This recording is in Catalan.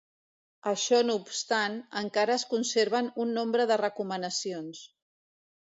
Això no obstant, encara es conserven un nombre de recomanacions.